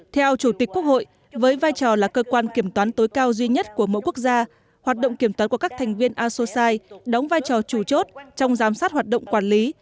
theo chủ tịch quốc hội với vai trò là cơ quan kiểm toán tối cao duy nhất của mỗi quốc gia hoạt động kiểm toán của các thành viên asosci đóng vai trò chủ chốt trong giám sát hoạt động quản lý